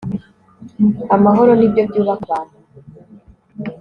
amahoro nibyo byubaka abantu